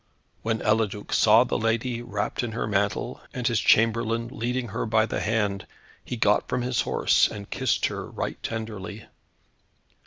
When Eliduc saw the lady, wrapped in her mantle, and his chamberlain leading her by the hand, he got from his horse, and kissed her right tenderly.